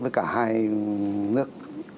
với cả hai nước